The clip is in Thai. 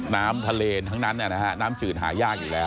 น้ำทะเลทั้งนั้นน้ำจืดหายากอยู่แล้ว